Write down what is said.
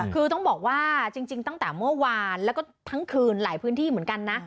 คือต้องบอกว่าจริงตั้งแต่เมื่อวานแล้วก็ทั้งคืนหลายพื้นที่เหมือนกันนะ